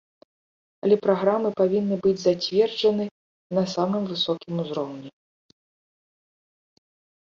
Але праграмы павінны быць зацверджаны на самым высокім узроўні.